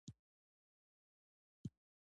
پابندی غرونه د افغان ځوانانو لپاره دلچسپي لري.